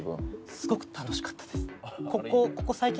すごく楽しかったです。